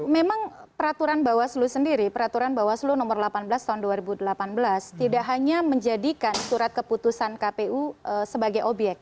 memang peraturan bawaslu sendiri peraturan bawaslu nomor delapan belas tahun dua ribu delapan belas tidak hanya menjadikan surat keputusan kpu sebagai obyek